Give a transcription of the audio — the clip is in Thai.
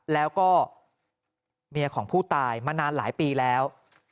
แล้วก็เมียของผู้ตายมานานหลายปีแล้ว